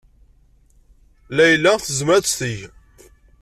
Layla tezmer ad tt-teg.